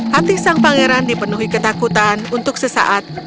hati sang pangeran dipenuhi ketakutan untuk sesaat